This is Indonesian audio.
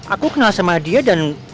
aku kenal sama dia dan